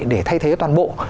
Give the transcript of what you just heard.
để thay thế toàn bộ